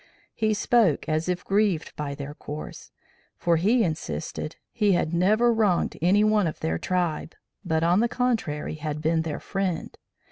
He spoke as if grieved by their course, for he insisted he had never wronged any one of their tribe, but on the contrary had been their friend.